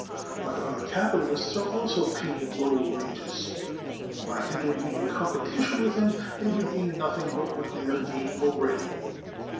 But other capitalists are also paying lower wages, and by entering into competition with him they would gain nothing but what they are gaining already.